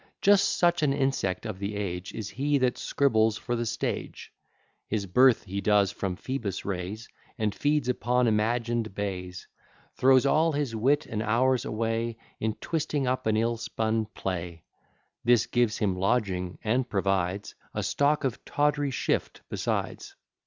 Just such an insect of the age Is he that scribbles for the stage; His birth he does from Phoebus raise, And feeds upon imagin'd bays; Throws all his wit and hours away In twisting up an ill spun Play: This gives him lodging and provides A stock of tawdry shift besides.